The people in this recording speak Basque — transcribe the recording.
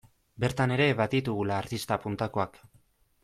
Bertan ere baditugula artista puntakoak.